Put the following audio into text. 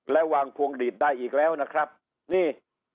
และวางพวงดีดได้อีกแล้วนะครับนี่